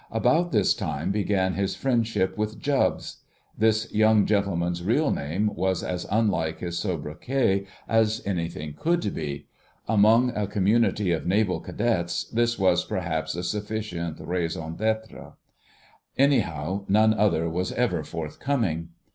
About this time began his friendship with Jubbs. This young gentleman's real name was as unlike his sobriquet as anything could be; among a community of Naval Cadets this was perhaps a sufficient raison d'être: anyhow none other was ever forthcoming.